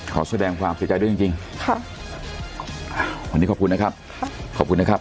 ขอแสดงความเสียใจด้วยจริงจริงค่ะวันนี้ขอบคุณนะครับขอบคุณนะครับ